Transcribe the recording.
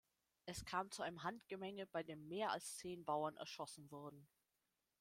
Es kam zu einem Handgemenge, bei dem mehr als zehn Bauern erschossen wurden.